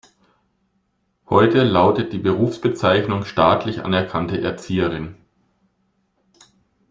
Heute lautet die Berufsbezeichnung staatlich anerkannte Erzieherin.